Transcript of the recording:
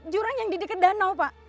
jurang yang di dekat danau pak